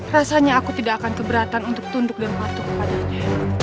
rasanya aku tidak akan keberatan untuk tunduk dan waktu kepadanya